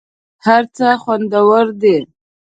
هر څه خوندور دي .